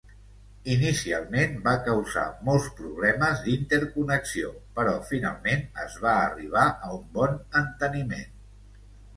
Inicialment va causar molts problemes d'interconnexió però finalment es va arribar a un bon enteniment.